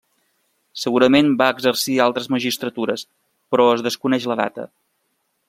Segurament va exercir altres magistratures però es desconeix la data.